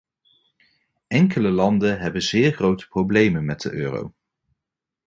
Enkele landen hebben zeer grote problemen met de euro.